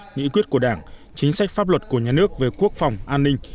nghị quyết của đảng chính sách pháp luật của nhà nước về quốc phòng an ninh